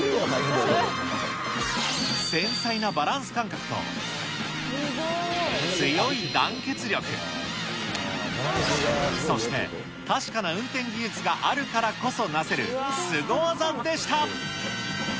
繊細なバランス感覚と、強い団結力、そして確かな運転技術があるからこそなせるスゴ技でした。